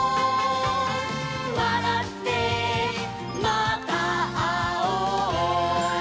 「わらってまたあおう」